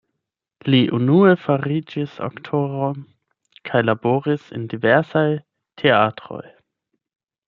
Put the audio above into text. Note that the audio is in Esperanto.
Li unue fariĝis aktoro kaj laboris en diversaj teatroj.